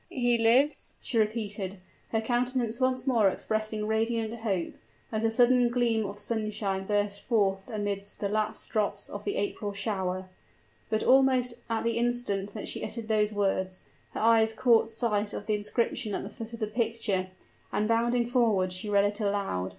"He lives!" she repeated, her countenance once more expressing radiant hope, as the sudden gleam of sunshine bursts forth amidst the last drops of the April shower. But, almost at the same instant that she uttered those words, her eyes caught sight of the inscription at the foot of the picture; and, bounding forward she read it aloud.